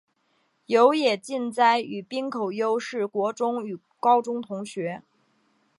有野晋哉与滨口优是国中与高中同学。